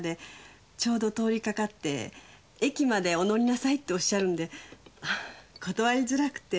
ちょうど通り掛かって「駅までお乗りなさい」っておっしゃるんで断りづらくて。